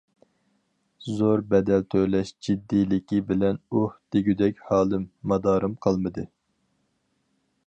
زور بەدەل تۆلەش جىددىيلىكى بىلەن ئۇھ دېگۈدەك ھالىم، مادارىم قالمىدى.